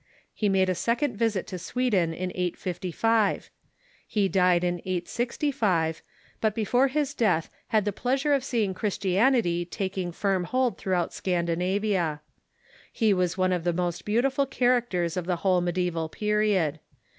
He made a second visit to Sweden in 855. He died in 865, but before his death had the pleasure of seeing Christianity taking firm hold throughout Scandinavia. He was one of the most beautiful characters of the whole medieval period.